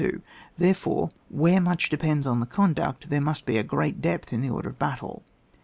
Therefore, where much depends on the conduct, there must be a great depth in the order of battle.